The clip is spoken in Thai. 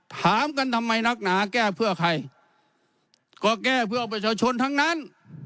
ถามกันทำไมนักหนาแก้เพื่อใครก็แก้เพื่อประชาชนทั้งนั้น